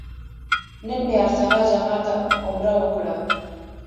نن مې ارسلا جمال ته عمره وکړه.